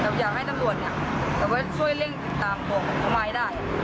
แต่อยากให้ตำรวจเนี่ยช่วยเล่นติดตามตัวผมมาให้ได้